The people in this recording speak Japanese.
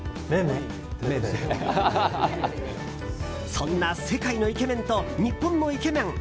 そんな世界のイケメンと日本のイケメン。